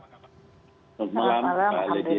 selamat malam mbak adi